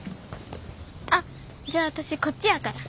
あっじゃあ私こっちやから。